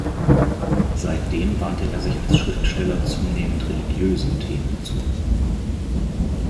Seitdem wandte er sich als Schriftsteller zunehmend religiösen Themen zu.